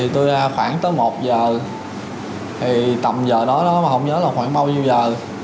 tôi ra khoảng tới một giờ tầm giờ đó mà không nhớ là khoảng bao nhiêu giờ